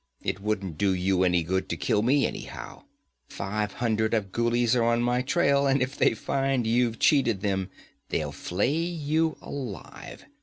'It wouldn't do you any good to kill me, anyhow. Five hundred Afghulis are on my trail, and if they find you've cheated them, they'll flay you alive.